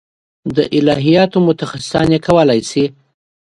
د الهیاتو متخصصان یې کولای شي.